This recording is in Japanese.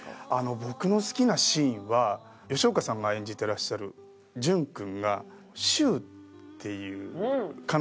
僕の好きなシーンは吉岡さんが演じてらっしゃる純君がシュウっていう彼女ができて。